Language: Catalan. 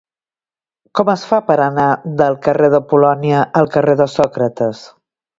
Com es fa per anar del carrer de Polònia al carrer de Sòcrates?